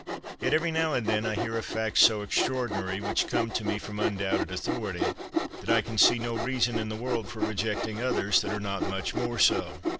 Yet, every now and then, I hear of facts so extraordinary, which come to me from undoubted authority, that I can see no reason in the world for rejecting others that are not much more so.